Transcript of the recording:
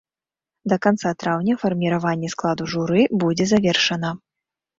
Да канца траўня фарміраванне складу журы будзе завершана.